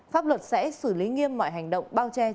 pháp luật sẽ xử lý nghiêm mọi hành động